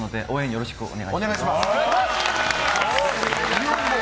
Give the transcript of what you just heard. よろしくお願いします。